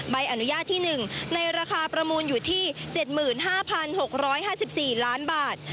ใบอนุญาตที่๑ในราคาประมูลอยู่ที่๗๕๖๕๔ล้านบาท